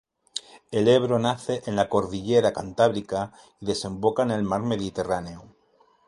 El Ebro nace en la cordillera Cantábrica y desemboca en el mar Mediterráneo.